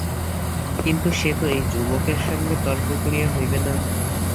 কিন্তু সে তো এই যুবকের সঙ্গে তর্ক করিয়া হইবে না।